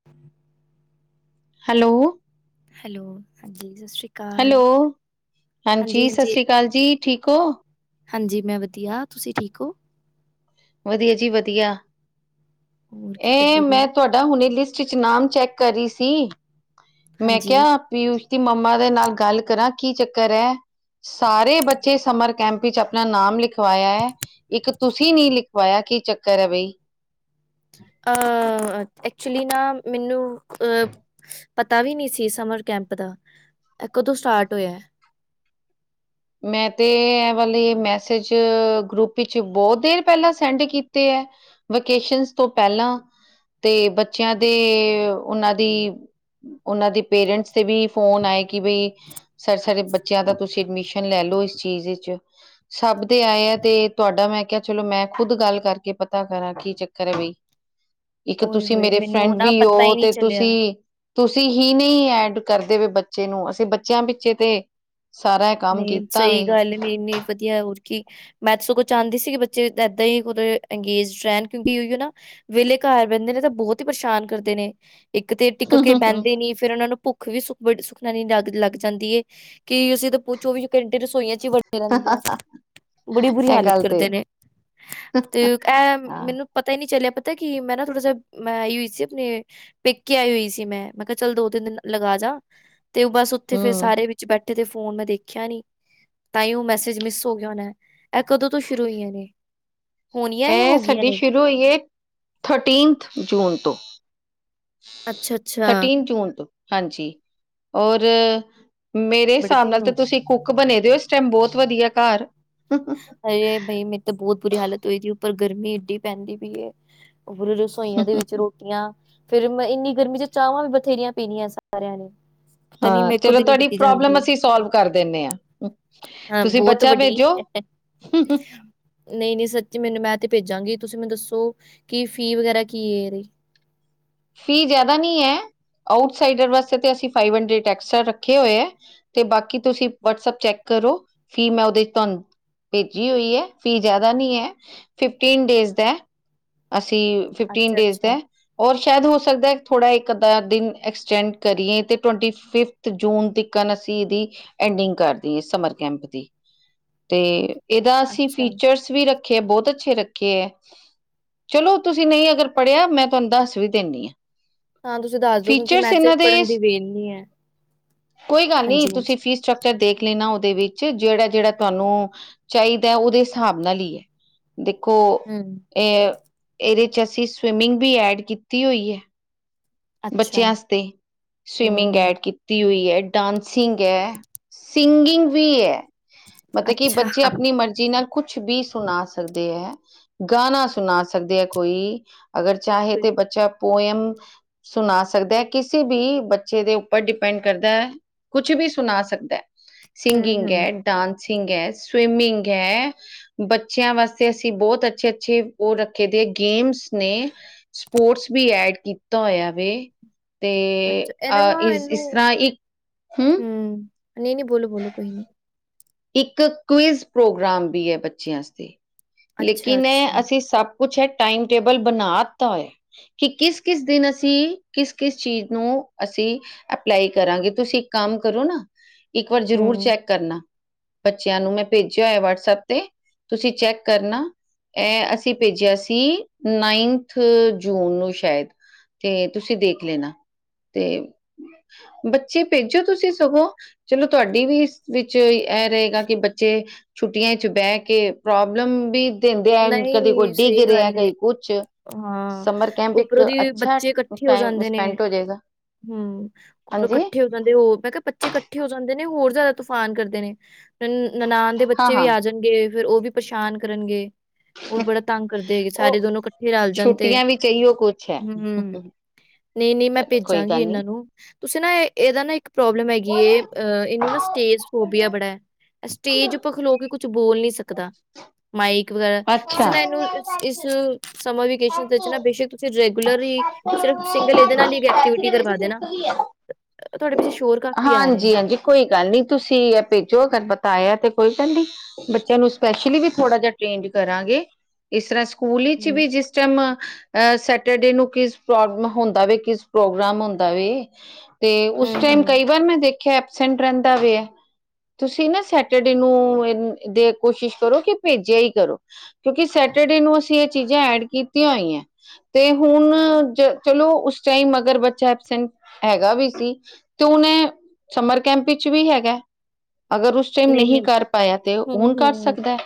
[inaudible] Hello. Hello, ਹਾਂਜੀ ਸਤਿ ਸ੍ਰੀ ਹੈਲੋ, ਹਾਂਜੀ, ਸਸ ਸ੍ਰੀ ਕਾਲ ਜੀ ਠੀਕ ਓ। ਹਾਂਜੀ, ਮੈਂ ਵਦੀਆ ਤੁਸੀਂ ਠੀਕ ਓ। ਵਦੀਆ ਜੀ ਵਦੀਆ ਹੋਰ ਕੀ ਇਹ ਕਰਦੇ ਪਏ ਮੈਂ ਹੋ ਤੁਆ ਡਾ, ਹੁਣੀ ਲਿਸਟ ਚ ਨਾਮ ਚੈੱਕ ਕਰ ਰੀ ਸੀ, ਮੈਂ ਹਾਂਜੀ ਕਿਆ ਪੀਯੂਸ਼ ਦੀ ਮੰਮਾ ਦੇ ਨਾਲ ਗੱਲ ਕਰਾਂ, ਕੀ ਚੱਕਰ ਐ? ਸਾਰੇ ਬੱਚੇ ਸਮਰ ਕੈਂਪ ਇਚ ਅਪਣਾ ਨਾਮ ਲਿਖਵਾਇਆ ਐ, ਇੱਕ ਤੁਸੀਂ ਨੀ ਲਿਖ ਹੋਈਆ ਕੀ ਚੱਕਰ ਐ ਬਈ। ਅਹ ਐਕਚੁਲੀ ਨਾ ਮੈਨੂੰ ਅ ਪਤਾ ਵੀ ਨੀ ਸੀ ਸਮਰ ਕੈਂਪ ਦਾ ਕਦੋਂ ਸਟਾਰਟ ਹੋਇਆ। ਮੈਂ ਤੇ ਐ ਵਾਲੇ ਮੈਸੇਜ ਗਰੁੱਪ ਵਿੱਚ ਬਹੁਤ ਦੇਰ ਪਹਿਲਾਂ ਸੈਂਡ ਕੀਤੇ ਐ। ਵਕੇਸ਼ਸ ਤੋਂ ਪਹਿਲਾਂ ਤੇ ਬੱਚਿਆਂ ਦੇ ਉਨਾਂ ਦੀ ਉਨਾਂ ਦੇ ਪੇਰੈਂਟਸ ਤੇ ਵੀ ਫੋਨ ਆਏ ਕਿ ਬਈ ਸਰ ਸਾਰੇ ਬੱਚਿਆਂ ਦਾ ਤੁਸੀਂ ਐਡਮਿਸ਼ ਹੁਨ ਲੈ ਲਓ ਇਸ ਚੀਜ਼ ਵਿੱਚ ਸਭ ਦੇ ਆਏ ਐ ਤੇ ਤੁਆਡਾ ਮੈ ਕਿਆ ਚਲੋ ਮੈਂ ਖੁੱਦ ਗੱਲ ਕਰਕੇ ਪਤਾ ਕਰਾਂ ਕੀ ਚੱਕਰ ਐ ਬਈ। ਇੱਕ ਓਏ ਤੁਸੀਂ ਹੋਏ ਮੇਰੇ ਮੈਨੂੰ ਫਰੈਂਡ ਨਾ ਵੀ ਓ ਪਤਾ ਹੀ ਨਹੀਂ ਤੇ ਚੱਲਿਆ ਤੁਸੀਂ ਤੁਸੀਂ ਹੀ ਨਈ ਐਡ ਕਰਦੇ ਪਏ ਬੱਚੇ ਨੂੰ ਅਸੀਂ ਬੱਚਿਆਂ ਪਿੱਛੇ ਤੇ ਸਾਰਾ ਕੰਮ ਨਈ ਕੀਤਾ ਸਈ ਵੇ ਗੱਲ ਨੀ ਇੰਨੀ ਵਧੀਆ ਹੋਰ ਕੀ ਮੈਂ ਤੇ ਸਗੋਂ ਚਾਂਦੀ ਸੀ ਕਿ ਬੱਚੇ ਏਦਾਂ ਈ ਅੰਗੇਜ ਰੈਣ ਕਿਉਂਕਿ ਓਈ ਓ ਨਾ ਵੇਲੇ ਘਰ ਬੈਨਦੇ ਨੇ ਤਾਂ ਬਹੁਤ ਹੀ ਪਰੇਸ਼ਾਨ ਕਰਦੇ ਨੇ ਇੱਕ ਤੇ ਟਿਕ ਕੇ ਬੈਨਦੇ ਨੀ ਫੇਰ ਉਨਾ ਨੂੰ ਭੁੱਖ ਵੀ ਸੁਖ ਬੜੀ ਸੁਖਨੀ ਲੱਗ ਲੱਗ ਜਾਂਦੀ ਏ ਕਿ ਅਸੀਂ ਉਹ ਚੌਵੀ ਘੰਟੇ ਰਸੋਈਆਂ ਚ ਈ ਵੜ ਰਹਿੰਦੇ ਆ ਬੜੀ ਬੁਰੀ ਇਹ ਹਾਲਤ ਗੱਲ ਤੇ ਕਰਦੇ ਨੇ ਤੇ ਐ ਹਾਂ ਮੈਨੂੰ ਪਤਾ ਈ ਨਈ ਚੱਲਿਆ ਪਤਾ ਕਿ ਐ ਮੈਂ ਨਾ ਥੋੜਾ ਜੇਆ ਮੈਂ ਆਈ ਹੋਈ ਸੀ ਆਪਣੇ ਪੇਕੇ ਆਈ ਹੋਈ ਸੀ ਮੈਂ। ਮੈਂ ਕਿਆ ਚੱਲ ਦੋ ਤਿੰਨ ਦਿਨ ਲਗਾ ਜਾ ਤੇ ਉਹ ਬਸ ਉੱਥੇ ਫੇਰ ਹਮ ਸਾਰੇ ਵਿੱਚ ਬੈਠੇ ਤੇ ਫੋਨ ਮੈਂ ਦੇਖਿਆ ਖਿਆ ਨੀ ਤਾਇਓ ਮੈਸੇਜ ਮਿਸ ਹੋ ਗਿਆ ਹੋਣਾ ਐਹ ਕਦੋਂ ਤੋਂ ਸ਼ੁਰੂ ਹੋਈਆਂ ਨੇ ਹੋਣੀਆਂ ਜਾਂ ਐਹ ਹੋ ਗਈਆਂ ਸਾਡੀ ਨੇ? ਸ਼ੁਰੂ ਹੋਈ ਐ ਥਰਟੀਨਥ ਜੂਨ ਤੋਂ ਅੱਛਾ, ਅੱਛਾ। ਥਰਟੀਨ ਜੂਨ ਤੋਂ ਹਾਂਜੀ ਔਰ ਮੇਰੇ ਬੜੇ ਹਿਸਾਬ ਨਾਲ ਦਿਨ ਤੇ ਹੋ ਗਏ। ਤੁਸੀਂ ਕੁੱਕ ਬਣੇ ਦੇ ਓ ਇਸ ਟਾਈਮ ਬਹੁਤ ਵਧੀਆ ਘਰ ਹਾਏ ਬਈ ਮੇਰੀ ਤਾਂ ਬਹੁਤ ਬੁਰੀ ਹਾਲਤ ਹੋਏਗੀ ਉੱਪਰ ਗਰਮੀ ਏਡੀ ਪੈਂਦੀ ਪੀ ਐ। ਉਪਰੋ ਰਸੋਈਆਂ ਦੇ ਵਿੱਚ ਰੋ ਟੀਆਂ ਫੇਰ ਇੰਨੀ ਗਰਮੀ ਚ ਚਾਵਾਂ ਵੀ ਬਥੇਰੀਆਂ ਪੀਣੀਆਂ ਸਾਰਿਆਂ ਨੇ ਪਤਾ ਨੀ ਹਾਂ ਮੇਰੇ ਕੋਲ ਚਲੋ ਤੇ ਨੀ ਤੁਆਡੀ ਪੀਤੀ ਪ੍ਰੋਬਲਮ ਜਾਂਦੀ। ਅਸੀਂ ਸੋਲਵ ਕਰ ਦਿੰਨੇ ਆ। ਹਾਂ ਤੁਸੀਂ ਬਹੁਤ ਬੱਚਾ ਭੇਜੋ [unintelligible] ਨਈ ਨਈ ਸੱਚੀ ਮੈਨੂੰ ਮੈਂ ਤੇ ਭੇਜਾਂਗੀ ਤੁਸੀਂ ਮੈਨੂੰ ਦੱਸੋ ਕਿ ਫੀ ਵਗੈਰਾ ਕੀ ਐ ਏਦੀ ਫੀ ਜਾਦਾ ਨੀ ਐ ਆਊਟਸਾਈਡਰ ਵਾਸਤੇ ਤੇ ਅਸੀਂ ਫਾਈਵ ਹੰਡਰਡ ਐਕਸਟਰਾ ਰੱਖੇ ਹੋਏ ਐ। ਤੇ ਬਾਕੀ ਤੁਸੀਂ ਵਟਸਅਪ ਚੈੱਕ ਕਰੋ ਫੀ ਮੈਂ ਉਹਦੇ ਚ ਤਾਨ ਭੇਜੀ ਹੋਈ ਐ ਫੀ ਜ਼ਿਆਦਾ ਨੀ ਐ। ਫਿਫਟੀਨ ਡੇਜ਼ ਦਾ ਐ ਅਸੀ ਫਿਫਟੀਨ ਅੱਛਾ, ਡੇਜ਼ ਦਾ ਅੱਛਾ, ਐ। ਸ਼ੈਦ ਹੋ ਸਕਦਾ ਥੋੜ੍ਹਾ ਇੱਕ ਅੱਧਾ ਦਿਨ ਐਕਸਟੈਂਡ ਕਰੀਏ ਤੇ ਟਵੰਟੀ ਫਿਫਥ ਤੇ ਜੂਨ ਤਿਕਨ ਅਸੀਂ ਏਦੀ ਐਂਡਿੰਗ ਕਰ ਦੇਈਏ ਸਮਰ ਕੈਂਪ ਦੀ ਤੇ ਏਦਾ ਅਸੀਂ ਅੱਛਾ। ਫੀਚਰਸ ਵੀ ਰੱਖੇ ਐ ਬਹੁਤ ਅੱਛੇ ਰੱਖੇ ਐ ਚਲੋ ਤੁਸੀਂ ਨਈ ਅਗਰ ਪੜ੍ਹਿਆ ਮੈਂ ਤੁਆਨੂੰ ਦੱਸ ਵੀ ਤਿੰਨੀ ਆ ਹਾਂ ਤੁਸੀਂ ਦੱਸ ਦੋ ਕਿਉਂਕਿ ਫੀਚਰਸ ਮੈਸੇਜ ਇਨਾਂ ਦੇ ਪੜ੍ਹਨ ਦੀ ਵੇਲ ਨੀ ਹੈ। ਕੋਈ ਗੱਲ ਨੀ ਹਾਂਜੀ, ਤੁਸੀਂ ਹਾਂਜੀ। ਫੀਸ ਚਕ ਦੇਖ ਲੈਨਾ ਉਹਦੇ ਵਿੱਚ ਜਿਹੜਾ ਜਿਹੜਾ ਤੁਹਾਨੂੰ ਚਾਹੀਦਾ ਉਹਦੇ ਹਿਸਾਬ ਨਾਲ ਹੀ ਹੈ ਦੇਖੋ ਹਮ ਏਅ ਏਦੇ ਚ ਅਸੀਂ ਸਵਿਮਿੰਗ ਵੀ ਐਡ ਕੀਤੀ ਹੋਈ ਐ। ਅੱਛਾ। ਬੱਚਿਆਂ ਵਸਤੇ ਸਵਿਮਿੰਗ ਐਡ ਕੀ ਤੀ ਹੋਈ ਐ। ਡਾਂਸਿੰਗ ਐ, ਸਿੰਗਿੰਗ ਵੀ ਐ। ਮਤੇ ਕਿ ਬੱਚੇ ਆਪਣੀ ਮਰਜ਼ੀ ਨਾਲ ਕੁਛ ਵੀ ਸੁਣਾ ਸਕਦੇ ਐ। ਗਾਣਾ ਸੁਣਾ ਸਕਦੇ ਐ ਕੋਈ ਅਗਰ ਚਾਹੇ ਤੇ ਬੱਚਾ ਪੋਇਮ ਸੁਣਾ ਸਕਦਾ ਕਿਸੇ ਵੀ ਬੱਚੇ ਦੇ ਉੱਪਰ ਡਿਪੈਂਡ ਕਰਦਾ ਐ ਕੁਛ ਵੀ ਸੁਣਾ ਸਕਦਾ ਐ। ਸਿੰਗਿੰਗ ਐ, ਡਾਂਸੀਗ ਐ, ਸਵਿਮਿੰਗ ਐ। ਬੱਚਿਆਂ ਵਾਸਤੇ ਅਸੀਂ ਬਹੁਤ ਅੱਛੇ-ਅੱਛੇ ਓ ਰੱਖੇ ਦੇ ਗੇਮਸ ਨੇ ਸਪੋਰਟਸ ਵੀ ਐਡ ਕੀਤਾ ਹੋਇਆ ਵੇ ਤੇ ਅਹ ਇਸ ਇਹਨੂੰ ਇਸ ਤਰ੍ਹਾਂ ਇੱਕ ਹਮ ਹੂੰ ਨਹੀਂ ਨਹੀਂ ਬੋਲੋ ਬੋਲੋ ਕੋਈ ਨੀ ਇੱਕ ਕੁਇਜ਼ ਪ੍ਰੋਗਰਾਮ ਵੀ ਹੈ ਬੱਚਿਆਂ ਆਸਤੇ ਅੱਛਾ ਲੇਕਿਨ ਏ ਅੱਛਾ ਅਸੀਂ ਸਭ ਕੁਛ ਐ ਟਾਈਮ ਟੇਬਲ ਬਨਾ ਤਾ ਕਿ ਕਿਸ ਕਿਸ ਦਿਨ ਅਸੀਂ ਕਿਸ ਕਿਸ ਚੀਜ਼ ਨੂੰ ਅਸੀ ਅਪਲਾਈ ਕਰਾਂਗੇ ਤੁਸੀਂ ਇੱਕ ਕੰਮ ਕਰੋ ਨਾ ਇੱਕ ਵਾਰ ਜ਼ਰੂਰ ਹੂੰ ਚੈਕ ਕਰਨਾ ਬੱਚਿਆਂ ਨੂੰ ਮੈਂ ਭੇਜਿਆ ਹੋਇਆ ਵਟਸਐਪ ਤੇ ਤੁਸੀਂ ਚੈੱਕ ਕਰਨਾ। ਇਹ ਅਸੀ ਭੇਜਿਆ ਸੀ ਨਾਈਨਥ ਜੂਨ ਨੂੰ ਸ਼ਾਇਦ ਤੇ ਤੁਸੀ ਦੇਖ ਲੇਨਾ ਤੇ ਬੱਚੇ ਭੇਜੋ ਤੁਸੀਂ ਸਗੋਂ ਚਲੋ ਤੁਹਾਡੀ ਵੀ ਇਸ ਵਿੱਚ ਇਹ ਰਹੇਗਾ ਕਿ ਬੱਚੇ ਛੁੱਟੀਆਂ ਚ ਬਹਿ ਕੇ ਪ੍ਰੋਬਲਮ ਵੀ ਦਿੰਦੇ ਹੈ, ਕਦੇ ਕੋਈ ਨਹੀਂ ਡਿੱਗ ਸਹੀ ਰਿਹਾ, ਗੱਲ ਹੈ ਕਦੀ ਕੁਛ। ਹਾਂ ਸਮਰ ਕੈਂਪ ਇੱਕ ਉਪਰੋਂਦੀ ਅੱਛਾ ਬੱਚੇ ਕੱਠੇ ਹੋ ਟਾਈਮ ਜਾਂਦੇ ਨੇ ਸਪੈਂਡ ਹੋ ਜਾਏਗਾ ਹਮ ਹਾਂਜੀ ਕੱਠੇ ਹੋ ਜਾਂਦੇ ਹੋ ਮੈਂ ਕਿਹਾ ਬੱਚੇ ਕੱਠੇ ਹੋ ਜਾਂਦੇ ਨੇ ਹੋਰ ਜ਼ਿਆਦਾ ਤੂਫਾਨ ਕਰਦੇ ਨੇ ਨਨਾਨਾਨ ਦੇ ਹਾਂ ਬੱਚੇ ਵੀ ਹਾਂ ਆ ਜਾਨਗੇ ਫਿਰ ਉਹ ਵੀ ਪਛਾਨ ਕਰਨਗੇ ਉਹ ਵੀ ਬੜਾ ਤੰਗ ਕਰਦੇ ਹੈਗੇ ਸਾਰੇ ਉਹ ਦੋਨੋ ਕੱਠੇ ਰਲ ਜਾਂ ਦੇ ਛੁੱਟੀਆਂ ਵੀ ਚਾਹੀਓ ਕੁਛ ਹੈ ਹਮ ਨੀ ਨੀ ਮੈਂ ਚਲੋ ਕੋਈ ਭੇਜਾਂਗੀ ਗੱਲ ਨੀ ਇਹਨਾਂ ਨੂੰ ਤੁਸੀ ਨਾ ਇਹਦਾ ਨਾ ਇੱਕ ਪ੍ਰੋਬਲਮ ਹੈਗੀ ਅ ਇਹਨੂੰ ਨਾ ਸਟੇਜ ਫੋਬੀਆ ਬੜੈ ਐ ਸਟੇਜ ਉੱਪਰ ਖਲੋ ਕੇ ਕੁਛ ਬੋਲ ਨੀ ਸਕਦਾ ਮਾਈ [unintelligible] ਅੱਛਾ ਤੁਸੀਂ ਨਾ ਇਹਨੂੰ ਇਸ ਸਮਰ ਵਕੇਸ਼ਨ ਵਿੱਚ ਨਾ ਬੇਸ਼ੱਕ ਤੁਸੀਂ ਰੈਗੂਲਰ ਹੀ ਸਿਰਫ ਸਿੰਗਲ ਇਹਦੇ ਨਾਲ ਹੀ ਚਾਚੀ ਐਕਟੀਵਿ ਵਿੱਚ ਕਰਵਾ ਦੇ ਸਿੱਖ ਨਾ ਗਈ ਹੈ ਤੁਹਾਡੇ ਪਿੱਛੇ ਸ਼ੋਰ ਕਾਫੀ ਆ ਰਿਹਾ ਹਾਂਜੀ ਹਾਂਜੀ ਕੋਈ ਗੱਲ ਨੀ ਤੁਸੀ ਐ ਭੇਜੋ ਅਗਰ ਬਤਾਇਆ ਤੇ ਕੋਈ ਗੱਲ ਨੀ ਬੱਚਿਆਂ ਨੂੰ ਸਪੈਸ਼ਲੀ ਵੀ ਥੋੜਾ ਜਿ ਟ੍ਰੇਂਡ ਕਰਾਂਗੇ ਇਸ ਤਰ੍ਹਾਂ ਸਕੂਲ ਵਿੱਚ ਹੂੰ, ਵੀ ਜਿਸ ਟਾਈਮ ਅ ਸੈਟਰਡੇ ਨੂੰ ਕਿਸ ਪ੍ਰ ਹੁੰਦਾ ਵ ਕਿਸ ਪ੍ਰੋਗਰਾਮ ਹੁੰਦਾ ਵੇ ਤੇ ਉਸ ਹੂੰ, ਟਾਈਮ ਹੂੰ, ਕਈ ਵਾਰ ਮੈਂ ਦੇ ਐਬਸੈਂਟ ਰਹਿੰਦਾ ਵੇ ਤੁਸੀਂ ਨਾ ਸੈਟਰਡੇ ਨੂੰ ਦੇ ਕੋਸ਼ਿਸ਼ ਕਰੋ ਕਿ ਭੇਜਿਆ ਹੀ ਕਰੋ ਕਿਉਂਕਿ ਸੈਟਰਡੇ ਨੂੰ ਅਸੀਂ ਇਹ ਚੀਜ਼ਾਂ ਐਡ ਕੀਤੀਆਂ ਹੋਈਆਂ ਤੇ ਹੁਨ ਜ ਚਲੋ ਉਸ ਟਾਈਮ ਅਗਰ ਬੱਚਾ ਐਬਸੈਂਟ ਹੈਗਾ ਵੀ ਸੀ ਤੁ ਨੇ ਸਮਰ ਕੈਂਪ ਵਿੱਚ ਵੀ ਹੈਗਾ ਅਗਰ ਉਸ ਟਮ ਨਹੀਂ-ਨਹੀਂ, ਨਹੀਂ ਕਰ ਪਾਇਆ ਤੇ ਹੁਨ ਕਰ ਸਕਦਾ। ਹੈ।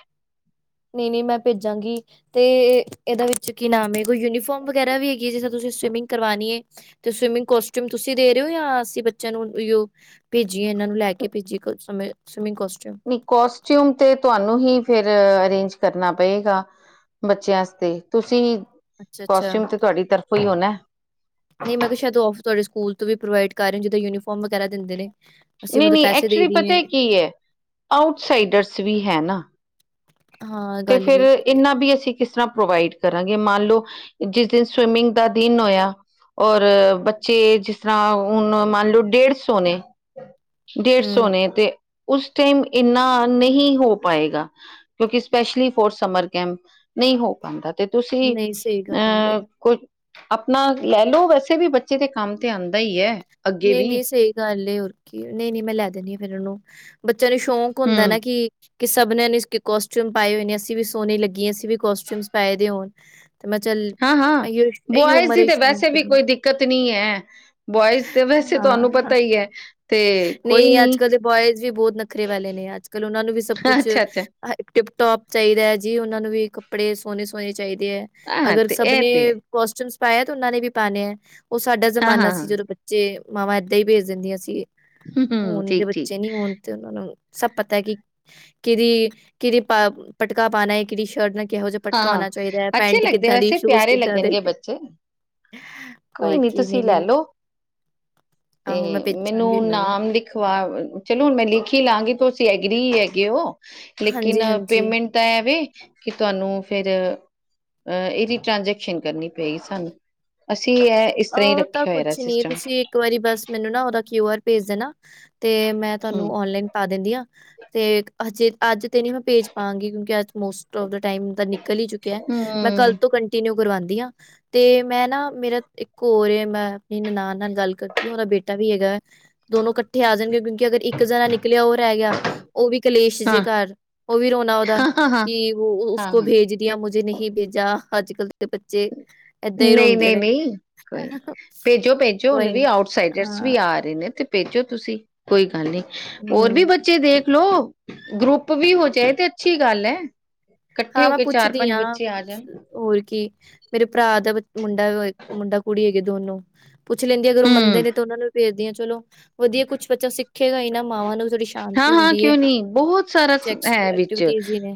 ਨਹੀ ਨਹੀ ਮੈਂ ਭੇਜਾਂਗੀ ਤੇ ਇਹਦਾ ਵਿੱਚ ਕੀ ਨਾਮ ਏ ਕੋਈ ਯੂਨੀਫੋਰਮ ਵਗੈਰਾ ਵੀ ਹੈਗੀ ਹੈ ਜਿੱਸ ਤੁਸੀਂ ਸਵਿਮਿੰਗ ਕਰਵਾਣੀ ਹੈ ਤੇ ਸਵਿਮਿੰਗ ਕੋਸਟਿਊਮ ਤੁਸੀਂ ਦੇ ਰਹੇ ਹੋ ਯਾਂ ਅਸੀਂ ਬੱਚਿਆਂ ਨੂੰ ਭੇਜੀਏ ਇਹਨਾਂ ਨੂੰ ਲੈ ਕੇ ਭੇਜੀ ਸਮੇਂ ਸਵਿਮਿੰਗ ਕੋਸਟਿਊਮ ਕੋਸਟਿਊਮ ਤੇ ਤੁਹਾਨੂੰ ਹੀ ਫੇਰ ਅਰੇਂਜ ਕਰਨਾ ਪਏਗਾ। ਬੱਚਿਆਂ ਆਸਤੇ ਤੁਸੀਂ ਅੱਛਾ- ਅੱਛਾ ਕੋਸਟਿਊਮ ਤੇ ਤੁਹਾਡੀ ਤਰਫੋਂ ਹੀ ਹੋਣਾ। ਨਹੀਂ ਮੈਂ ਕਿਹਾ ਸ਼ਾਇਦੇ ਸਕੂਲ ਤੋਂ ਵੀ ਪ੍ਰੋਵੇਡ ਕਰ ਰਹੀ ਜਦ ਯੂਨੀਫਾਰਮ ਵਗੈਰਾ ਦਿੰਦੇ ਨੇ। ਅਸੀਂ ਨਹੀਂ ਮਤਲਬ -ਨਹੀਂ ਪੈਸੇ ਦੇ ਐਕਚੁਲੀ ਪਤਾ ਦੀਏ ਹੈ ਕੀ ਹੈ ਆਊਟਸਾਈਡਰਸ ਵੀ ਹੈ ਨਾ। ਹਾਂ ਤੇ ਗੱਲ ਫੇਰ ਵੀ ਹੈਗੀ ਹੈ ਇੰਨਾ ਵੀ ਅਸੀਂ ਕਿਸ ਤਰ੍ਹਾਂ ਪ੍ਰੋਵਾਈਡ ਕਰਾਂਗੇ ਮੰਨ ਲਓ ਜਿਸ ਦਿਨ ਸਵਿਮਿੰਗ ਦਾ ਦਿਨ ਹੋਇਆ ਔਰ ਬੱਚੇ ਜਿਸ ਤਰ੍ਹਾਂ ਹੁਨ ਮੰਨ ਲਓ ਡੇਢ ਸੌ ਨੇ ਡੇਢ ਸੌ ਹਮ ਨੇ ਤੇ ਉਸ ਟਾਈਮ ਇੰਨਾ ਨਹੀਂ ਹੋ ਪਾਏਗਾ ਕਿਉਕਿ ਸਪੈਸ਼ਲੀ ਫੋਰ ਸਮਰ ਕੈਂਪ ਨਹੀਂ ਹੋ ਪਾਂਦਾ ਤੇ ਤੁਸੀਂ ਨਹੀਂ ਸਹੀ ਗੱਲ ਹੈ। ਅਹ ਕੁ ਆਪਣਾ ਲੈ ਲਓ ਵੈਸੇ ਵੀ ਬੱਚੇ ਦੇ ਕੰਮ ਤੇ ਆਂਦਾ ਹੀ ਹੈ ਅੱਗੇ ਨਹੀਂ ਵੀ ਨਹੀਂ ਸਹੀ ਗੱਲੇ ਹੋਰ ਕੀ ਨਹੀਂ ਨਹੀਂ ਮੈਂ ਲੈ ਦਦੀ ਹਾਂ ਫੇਰ ਉਹਨੂੰ ਬੱਚਿਆਂ ਨੂੰ ਸ਼ੌਕ ਹੁੰਦਾ ਹਮ ਨਾ ਕਿ ਕਿ ਸਭਨੇ ਨੇ ਕੋਸਟਿਊਮ ਪਾਏ ਹੋਏ ਨੇ ਅਸੀਂ ਵੀ ਸੋਹਨੇ ਲੱਗੀਏ ਅਸੀਂ ਵੀ ਕੋਸਟਿਊਮਸ ਪਾਏ ਦੇ ਹੋਨ ਤੇ ਮੈਂ ਚੱਲ ਹਾਂ-ਹਾਂ, ਇ ਇਹੀ ਉਮਰੇ ਸ਼ੌਂਕ ਦੇ ਕਤ ਨੀ ਹੈ ਬੋਆਇਜ਼ ਤੇ ਵੈਸੇ ਤੁਹਾਨੂੰ ਹਾਂ ਪਤਾ ਹੀ ਹੈ ਨਹੀਂ ਅੱਜ ਕਲ ਦੇ ਬੋਆਇਜ਼ ਵੀ ਬਹੁਤ ਨਖਰੇ ਵਾਲੇ ਨੇ ਅੱਜ ਕੱਲ ਉਹਨਾਂ ਨੂੰ ਵੀ ਸਭ ਕੁਛ ਅੱਛਾ-ਅੱਛਾ, ਟਿਪਟੋਪ ਚਾਹੀਦਾ ਹੈ ਜੀ ਉਹਨਾਂ ਨੂੰ ਵੀ ਕੱਪੜੇ ਸੋਹਣੇ- ਸੋਹਣੇ ਚਾਹੀਦੇ ਹੈ। ਹਾਂ ਅਗਰ ਤੇ ਸਭ ਐ ਨੇ ਤੇ ਹੈ। ਕੋਸਟਿਊਮਸ ਪਾਇਆ ਤੇ ਉਹਨਾਂ ਨੇ ਵੀ ਪਾਂਣੇੇ ਹੈ ਉਹ ਸਾਡਾ ਜ਼ਮਾਨਾ ਹਾਂ-ਹਾਂ-ਹਾਂ, ਸੀ ਜਦੋਂ ਬ ਜੇ ਮਾਵਾਂ ਏਦਾਂ ਹੀ ਭੇਜ ਦਿੰਦੀਆਂ ਸੀ ਹੂੰ-ਹੂੰ, ਹੁਣ ਦੇ ਠੀਕ-ਠੀਕ, ਬੱਚੇ ਨੀ ਹੋਣ ਤੇ ਉਹਨਾਂ ਨੂੰ ਸਭ ਪਤਾ ਹੈ ਕਿ ਕਿਹਦੀ- ਕਿਹਦੀ ਪਟਕਾ ਪਾਉਣਾ ਹੈ ਕਿਹਦੀ ਸ਼ਰਟ ਨਾਲ ਕਿਹੋ ਜਿਹਾ ਪਟਕਾ ਹਾਂ ਹੋਣਾ ਚਾਹੀਦਾ ਹੈ ਅੱਛੇ ਪੈਂਟ ਲੱਗਦੇ ਕਿੱਦਾਂ ਦੀ ਵੈਸੇ ਸ਼ੂਜ ਪਿਆਰੇ ਕਿੱਦਾਂ ਦੇ ਲੱਗਣਗੇ ਬੱਚੇ ਕੋਈ ਹੋਰ ਨੀ ਕੀ ਤੁਸੀਂ ਨਹੀਂ ਲੈ ਨਹੀਂ ਲੋ ਤੇ ਆਹੋ ਮੈਂ ਨੂੰ ਭੇਜਾਂਗੀ ਇਹਨਾਂ ਨਾਮ ਲਿਖਵਾ ਚਲੋ ਹੁਣ ਮੈਂ ਲਿਖ ਹੀ ਲਵਾਂਗੀ ਤੁਸੀਂ ਐਗਰੀ ਹੈਗੇ ਹੋ। ਲੇਕਿਨ ਹਾਂਜੀ ਹਾਂਜੀ ਪੇਮੈਂਟ ਤਾਂ ਐ ਵੇ ਤੁਹਾਨੂੰ ਫੇਰ ਅਹ ਇਹਦੀ ਟ੍ਰਾਂਜੈਕਸ਼ਨ ਕਰਨੀ ਪਏਗੀ ਸਾਨੂੰ ਅਸੀਂ ਇਹ ਇਸ ਤਰ੍ਹਾਂ ਹੀ ਉਹ ਤਾਂ ਰੱਖਿਆ ਹੋਇਆ ਕੁਛ ਨੀ ਸਿਸਟਮ ਤੁਸੀਂ ਇੱਕ ਵਾਰੀ ਬਸ ਮੈਨੂੰ ਨਾ ਓਦਾ ਕਿਊ ਆਰ ਭੇਜ ਦੇਣਾ ਤੇ ਮੈਂ ਹੂੰ ਤੁਹਾਨੂੰ ਓਨਲਾਈਨ ਪਾ ਦਿੰਦੀ ਆ। ਤੇ ਅਜੇ ਅੱਜ ਤੇ ਨਹੀਂ ਮੈਂ ਭੇਜ ਪਾਂਗੀ ਕਿਉਂਕਿ ਅੱਜ ਮੋਸਟ ਆਫ ਦਾ ਟਾਈਮ ਦਾ ਨਿਕਲ ਹੀ ਚੁੱਕ ਕਿਆ ਮੈਂ ਕੱਲ ਹੂੰ ਤੋਂ ਕੰਟੀਨਿਊ ਕਰਵਾਉਂਦੀ ਹਾਂ ਤੇ ਮੈਂ ਨਾ ਮੇਰਾ ਇੱਕ ਹੋਰ ਮੈਂ ਆਪਣੀ ਨਨਾਨ ਨਾਲ ਗੱਲ ਕਰਤੀ ਉਹਦਾ ਬੇਟਾ ਵੀ ਹੈਗਾ। ਦੋਨੋ ਕੱਠੇ ਆ ਜਾਣਗੇ ਕਿਉਂਕਿ ਅਗਰ ਇੱਕ ਜਾਣਾ ਨਿਕਲਿਆ ਉਹ ਰਹਿ ਗਿਆ ਉਹ ਵੀ ਕਲੇਸ਼ ਜੇ ਹਾਂ ਘਰ ਉਹ ਵੀ ਰੋਨਾ ਉਹਦਾ ਹਾਂ ਹਾਂ ਹਾਂ ਕਿ ਉਹ ਹਾਂ ਉਸਕੋ ਹਾਂ ਭੇਜ ਆ ਮੁਝੇ ਨਹੀਂ ਭੇਜਾ ਅੱਜ ਕੱਲ ਦੇ ਬੱਚੇ ਏਦਾਂ ਹੀ ਨਹੀਂ- ਰੋਂਦੇ ਨਹੀਂ- ਨੇ ਨਹੀਂ ਕੋਈ ਭੇਜੋ- ਭੇਜੋ ਹੁਣ ਕੋਈ ਵੀ ਆਊਟਸਾਈਡਰਸ ਵੀ ਹਾਂ ਆ। ਆ ਰਹੇ ਨੇ ਤੇ ਭੇਜੋ ਤੁਸੀਂ ਕੋਈ ਗੱਲ ਨੀ ਹੋਰ ਵੀ ਹੂੰ ਬੱਚੇ ਦੇਖ ਲੋੋ ਗਰੁੱਪ ਵੀ ਹੋ ਜਾਏ ਤੇ ਅੱਛੀ ਗੱਲ ਹੈ। ਇਕੱਠੇ ਹਾਂ ਹੋ ਮੈਂ ਕੇ ਚਾਰ ਪੁੱਛਦੀ ਪੰਜ ਹਾਂ ਬੱਚੇ ਆ ਜਾਣ ਹੋਰ ਕੀ ਮੇਰੇ ਭਰਾ ਦਾ ਮੁੰਡਾ- ਮੁੰਡਾ ਕੁੜੀ ਹੈਗੀ ਦੋਨੋ- ਪੁੱਛ ਲੈਂਦੀ ਅਗਰ ਉਹ ਮੰਨਦੇ ਹੂੰ ਨੇ ਤਾਂ ਉਹਨਾਂ ਨੂੰ ਵੀ ਭੇਜਦੀ ਹਾਂ ਚਲੋ ਵਧੀਆ ਕੁੱਛ ਬੱਚਾ ਸਿੱਖੇਗਾ ਹੀ ਨਾ। ਮਾਵਾਂ ਨੂੰ ਵੀ ਥੋੜੀ ਹਾਂ ਸ਼ਾਂਤੀ ਹਾਂ ਹੁੰਦੀ ਹੈ ਕਿਉਂ ਨਹੀਂ ਬਹੁਤ ਸਾਰਾ ਚੈਕਸ ਹੈ ਵਿੱਚ ਐਕਟੀਵਿਟੀਜ ਨੇ।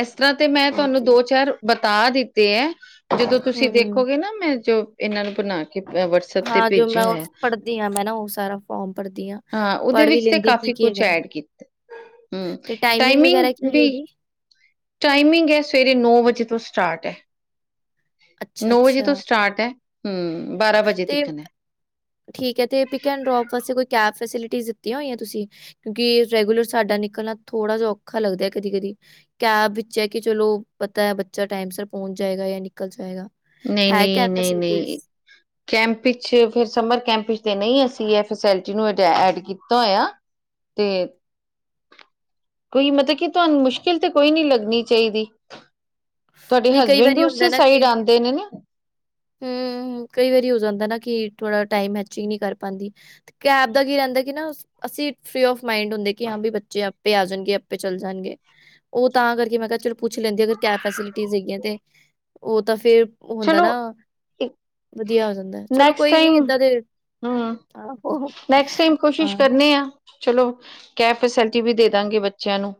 ਇਸ ਤਰ੍ਹਾਂ ਤੇ ਮੈਂ ਹੋਰ ਤੁਹਾਨੂੰ ਕੀ ਦੋ ਚਾਰ ਬਤਾ ਦਿੱਤੇ ਹੈ। ਜਦੋਂ ਤੁਸੀਂ ਹੂੰ ਦੇਖੋਗੇ ਨਾ ਮੈਂ ਜੋ ਇਹਨਾਂ ਨੂੰ ਬਣਾ ਕੇ ਵਸ ਹਾਂ ਜੋ ਮੈਂ ਉਹ ਪੜ੍ਹਦੀ ਹਾਂ ਮੈਂ ਨਾ ਉਹ ਸਾਰਾ ਫੋਰਮ ਪੜ੍ਹਦੀ ਹਾਂ। ਹਾਂ ਉਹਦੇ ਪੜ੍ਹ ਵੀ ਵਿੱਚ ਤੇ ਲੈਂਦੀ ਆ ਕੀ ਕਾਫੀ ਕੀ ਕੁਛ ਹੈਗਾ ਹੈ। ਐਡ ਕੀ ਹੂੰ ਤੇ ਟਾਈਮਿੰਗ ਵਗੈਰਾ ਕੀ ਹੈ ਵੀ ਇਹਦੀ ਟਾਈਮਿੰਗ ਹੈ ਸਵੇਰੇ ਨੌ ਵਜੇ ਤੋਂ ਸਟਾਰਟ ਹੈ। ਅੱਛਾ ਨੌ ਵਜੇ ਤੋਂ ਅੱਛਾ ਸਟਾਰਟ ਹੈ ਹਮ ਬਾਰਾਂ ਵਜੇ ਤੇ ਤੀਖਣ ਠੀਕ ਹੈ ਤੇ ਪਿਕ ਐਂਡ ਡਰੋਪ ਵਾਸਤੇ ਕੋਈ ਕੈਬ ਫੈਸਿਲਿਟੀ ਦਿੱਤੀਆਂ ਹੋਈਆਂ ਤੁਸੀਂ ਕਿਉਂਕਿ ਰੈਗੂਲਰ ਸਾਡਾ ਨਿਕਲਣਾ ਥੋੜ੍ਹਾ ਜਿਹਾ ਔਖਾ ਲੱਗਦਾ ਹੈ ਕਦੀ- ਕਦੀ ਕੈਬ ਵਿੱਚ ਹੈ, ਕਿ ਚਲੋ ਪਤਾ ਹੈ, ਬੱਚਾ ਟਾਈਮ ਸਿਰ ਪਹੁੰਚ ਜਾਏਗਾ ਜਾਂ ਨਿਕਲ ਜਾਏਗਾ ਨਹੀਂ ਹੈ -ਨਹੀਂ, ਕੈਬ ਨਹੀਂ- ਫੈਸਿਲਿਟੀਜ਼? ਨਹੀਂ ਕੈਂਪ ਵਿੱਚ ਫਿਰ ਸਮਰ ਕੈਂਪ ਵਿੱਚ ਨਹੀਂ, ਅਸੀਂ ਇਹ ਫੈਸਲਿਟੀ ਨੂੰ ਐਡ ਕੀਤਾ ਹੋਇਆ। ਤੇ ਕੋਈ ਮਤਲਬ ਕਿ, ਤੁਹਾਨੂੰ ਮੁਸ਼ਕਿਲ ਤੇ ਕੋਈ ਨਹੀਂ ਲੱਗਣੀ ਚਾਹੀਦੀ। ਤੁਹਾਡੇ ਨਹੀਂ ਕਈ ਹਸਬੈਂਡ ਵੀ ਵਾਰੀ ਹੁੰਦਾ ਉਸੇ ਨਾ ਸਾਈਡ ਕਿ ਆਉਂਦੇ ਨੇ ਨਾ। ਹੂੰ ਕਈ ਵਾਰੀ ਹੋ ਜਾਂਦਾ ਨਾ ਕਿ ਥੋੜਾ ਟਾਈਮ ਮੈਚਿੰਗ ਨਹੀਂ ਕਰ ਪਾਉਂਦੀ। ਕੈਬ ਦਾ ਕੀ ਰਹਿੰਦਾ ਕਿ ਨਾ ਅਸੀਂ ਫਰੀ ਆਫ ਮਾਈੰਡ ਹੁੰਦੇ ਕਿ ਹਾਂ ਵੀ ਬੱਚੇ ਪੇ ਆਪੇ ਜਾਣਗੇ ਆਪੇ ਚੱਲ ਜਾਣਗੇ ਉਹ ਤਾਂ ਕਰਕੇ ਮੈਂ ਕਿਹਾ ਚਲੋ ਪੁੱਛ ਲੈਂਦੀ ਅਗਰ ਕੈਬ ਫੈਸਿਲਿਟੀਜ਼ ਹੈਗੀਆਂ ਤੇ ਉਹ ਤਾਂ ਫੇਰ ਹੁੰਦਾ ਨਾ। ਚਲੋ [inaudible] ਵਧੀਆ ਹੋ ਜਾਂਦਾ ਚਲੋ ਨੈਕਸਟ ਕੋਈ ਨੀ ਟਾਈਮ ਏਦਾਂ ਦੇ ਹੂੰ ਆਹੋ ਨੈਕਸਟ ਟਾਈਮ ਕੋਸ਼ਿਸ਼ ਹਾਂ, ਕਰਨੇ ਆ। ਚਲੋ ਕੈਬ ਫੈਸਿਲਿਟੀ ਵੀ ਦੇ ਦਾਂਗੇ ਬੱਚਿਆਂ ਨੂੰ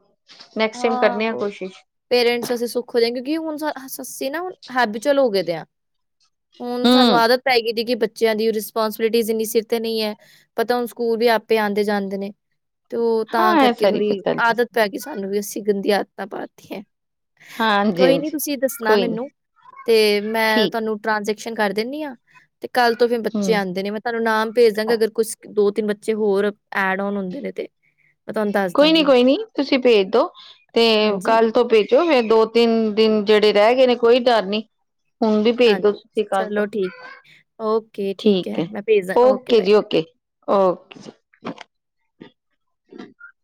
ਨੈਕਸਟ ਟਾਈਮ ਕਰਨੇ ਆ ਆਹੋ ਕੋਸ਼ਿਸ਼ ਪੇਰੈਂਟਸ ਅਸੀਂ ਸੁੱਖ ਹੋਦੇ ਹਾਂ ਕਿਉਂਕਿ ਹੁਣ ਅੱਸੀਂ ਨਾ ਹੈਬੀਚਲ ਹੋ ਗਏ ਹਾਂ। ਹੁਣ ਸਾਨੂੰ ਹੂੰ। ਆਦਤ ਪੈ ਗਈਦੀ ਕਿ ਬੱਚ ਬੱਚਿਆਂ ਦੀ ਰਿਸਪੋਂਸਬਿਲਟੀ ਇੰਨੀ ਸਿਰ ਤੇ ਨਹੀਂ ਹੈ, ਪਤਾ ਹੁਣ ਸਕੂਲ ਵੀ ਆਪੇ ਆਉਂਦੇ ਜਾਂਦੇ ਨੇ,। ਤੇ ਉਹ ਹਾਂ ਤਾਂ ਇਹ ਕਰਕੇ ਸਾਰੀ ਥੋੜ੍ਹੀ ਫੈਸਿਲਿਟੀ ਆਦਤ ਪੈ ਗਈ, ਸਾਨੂੰ ਵੀ ਅਸੀਂ ਗੰਦੀ ਆਦਤਾਂ ਪਾਈਆਂ। ਹਾਂਜੀ ਕੋਈ ਨੀ, ਹਾਂਜੀ ਤੁਸੀਂ ਦੱਸਣਾ, ਕੋਈ ਨੀ ਮੈਨੂੰ ਤੇ ਮੈਂ ਠੀਕ ਤੁਹਾਨੂੰ ਟ੍ਰਾਂਜੈਕਸ਼ਨ ਕਰ ਦਿੰਦੀ ਆ, ਤੇ ਕੱਲ ਤੋਂ ਫਿਰ ਬੱਚੇ ਹਮ ਆਉਂਦੇ ਨੇ ਮ ਤਾਨੂੰ ਨਾਮ ਭੇਜ ਦਾਂਗੇ, ਅਗਰ ਕੁਛ ਦੋ ਤਿੰਨ ਬੱਚੇ ਹੋਰ ਐਡ ਆਨ ਹੁੰਦੇ ਨੇ ਤੇ ਮੈਂ ਤੁਹਾਨੂੰ ਦੱਸ ਕੋਈ ਨੀ, ਦਾਂਗੀ। ਕੋਈ ਨੀ ਤੁਸੀਂ ਭੇਜ ਦੋ, ਤੇ ਕੱਲ ਤੋਂ ਭੇਜ ਜੋ ਫੇਰ, ਦੋ ਤਿੰਨ, ਦਿਨ ਜਿਹੜੇ ਰਹਿ ਗਏ ਨੇ ਕੋਈ ਡਰ ਨੀ। ਹੁਣ ਵੀ ਭੇਜ ਦੋ, ਤੁਸੀਂ ਕੱਲ ਤੋਂ, ਠੀਕ ਹੈ ਓਕੇ ਜੀ, ਓਕੇ। ਓਕੇ ਜੀ। [unintelligible]